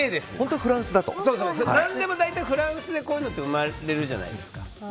何でも大体フランスでこういうのって生まれるじゃないですか。